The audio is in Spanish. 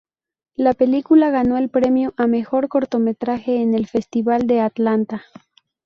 La película ganó el premio a Mejor Cortometraje en el Festival de Atlanta.